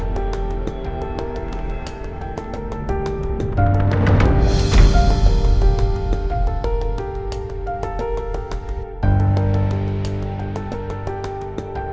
ya bersyukur thank you